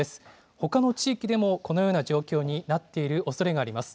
ほかの地域でもこのような状況になっているおそれがあります。